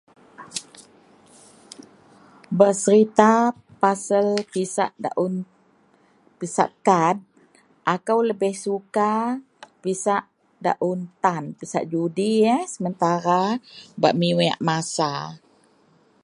bak serita pasal pisak daun, pisak tan, akou lebih suka pisak daun tan pisak judi yeh sementara bak miweak masa